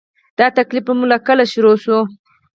دا تکلیف مو له کله شروع شو؟